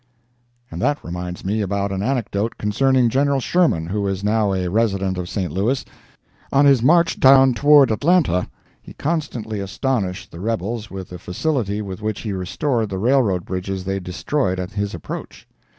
And that reminds me about an anecdote concerning Gen. Sherman, who is now a resident of St. Louis. On his march down toward Atlanta, he constantly astonished the rebels with the facility with which he restored the railroad bridges they destroyed at his approach.